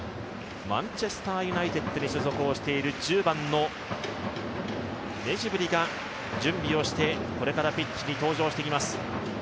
マンチェスター・ユナイテッドに所属をしている１０番のメジブリが準備をしてこれからピッチに登場していきます。